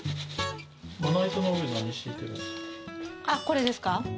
あっこれですか？